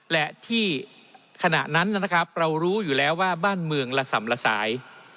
และที่ขณะนั้นนะครับเรารู้อยู่แล้วว่าบ้านเมืองละส่ำละสาย